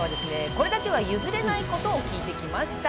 これだけはゆずれないことを聞いてきました。